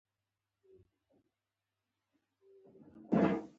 ښایست د خدای له عظمت نه برخه ده